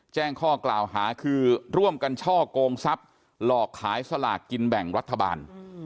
แจ้งข้อกล่าวหาคือร่วมกันช่อกงทรัพย์หลอกขายสลากกินแบ่งรัฐบาล